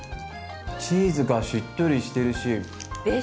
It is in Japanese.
チーズがしっとりしてるし。